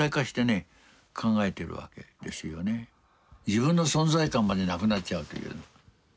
自分の存在感までなくなっちゃうという。